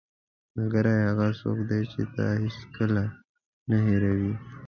ملګری هغه څوک دی چې تا هیڅکله نه هېروي.